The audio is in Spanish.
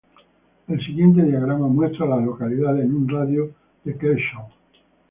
El siguiente diagrama muestra a las localidades en un radio de de Kershaw.